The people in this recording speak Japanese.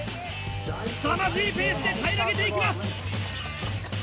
すさまじいペースで平らげていきます！